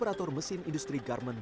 ani untuk bank